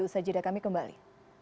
usha jeddah kami kembali